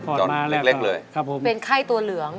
คลอดมาแรกครับผมเป็นไข่ตัวเหลือง